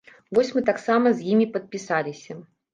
Вось мы таксама з імі падпісаліся.